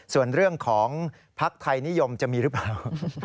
ส่วนเรื่องของภักดิ์ไทยนิยมจะมีหรือเปล่า